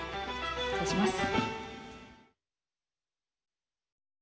失礼します。